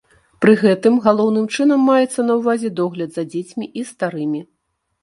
Пры гэтым галоўным чынам маецца на ўвазе догляд за дзецьмі і старымі.